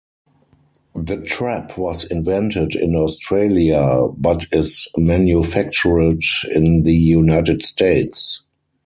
The trap was invented in Australia, but is manufactured in the United States.